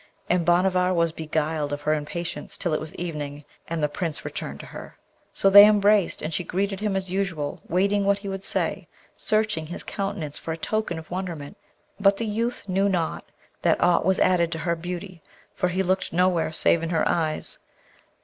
And Bhanavar was beguiled of her impatience till it was evening, and the Prince returned to her. So they embraced, and she greeted him as usual, waiting what he would say, searching his countenance for a token of wonderment; but the youth knew not that aught was added to her beauty, for he looked nowhere save in her eyes.